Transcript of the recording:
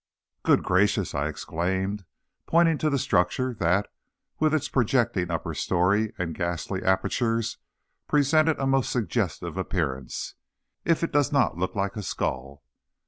"Good gracious!" I exclaimed, pointing to the structure that, with its projecting upper story and ghastly apertures, presented a most suggestive appearance, "if it does not look like a skull!"